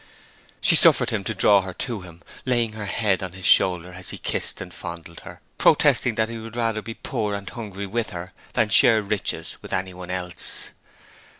She suffered him to draw her to him, laying her head on his shoulder as he kissed and fondled her, protesting that he would rather be poor and hungry with her than share riches with anyone else.